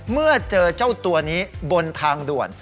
เมื่อเจอเจ้าตัวนี้บนทางด่วน